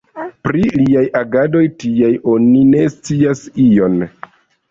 Pri liaj agadoj tieaj oni ne scias ion.